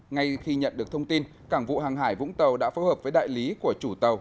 ngay khi nhận được thông tin cảng vụ hàng hải vũng tàu đã phối hợp với đại lý của chủ tàu